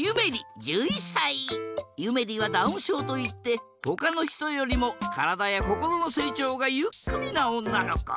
ゆめりはダウンしょうといってほかのひとよりもからだやこころのせいちょうがゆっくりなおんなのこ。